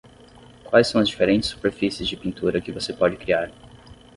Quais são as diferentes superfícies de pintura que você pode criar?